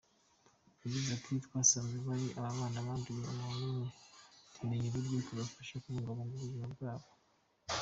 Yagize ati :”Twasanze hari ababana haranduye umuntu umwe, tumenya uburyo tubafasha kubungabunga ubuzima bwabo”.